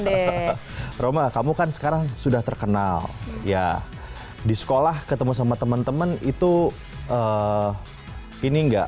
deh romah kamu kan sekarang sudah terkenal ya di sekolah ketemu sama temen temen itu ini enggak